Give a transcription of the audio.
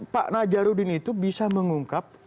pak najarudin itu bisa mengungkap